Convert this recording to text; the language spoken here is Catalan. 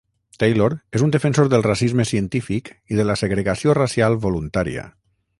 Taylor és un defensor del racisme científic i de la segregació racial voluntària.